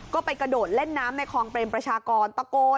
ก็ไปกระโดดเล่นน้ำในคลองเปรมประชากรตะโกน